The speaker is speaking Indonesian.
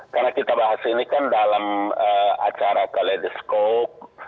karena kita bahas ini kan dalam acara ke ledescope